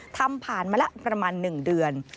ทำผ่านมาแล้วประมาณ๑เดือน